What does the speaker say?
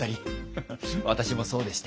フフッ私もそうでした。